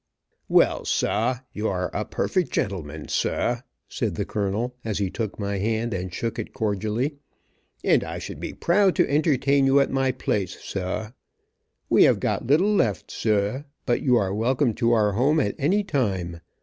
"Well, sah, you are a perfect gentleman, sah," said the colonel, as he took my hand and shook it cordially. "And I should be proud to entertain you at my place, sah. We have got little left, sah, but you are welcome to our home at any time.